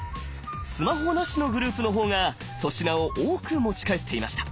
スマホなしのグループの方が粗品を多く持ち帰っていました。